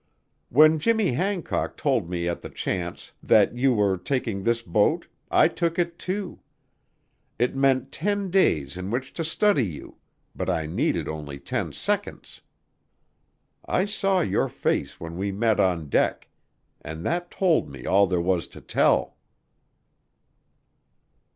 When Jimmy Hancock told me at the chance that you were taking this boat, I took it, too.... It meant ten days in which to study you but I needed only ten seconds. I saw your face when we met on deck ... and that told me all there was to tell."